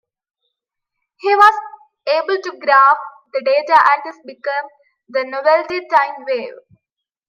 He was able to graph the data and this became the "Novelty Time Wave".